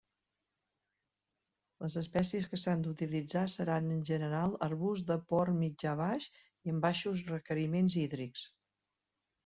Les espècies que s'han d'utilitzar seran en general arbusts de port mitjà-baix i amb baixos requeriments hídrics.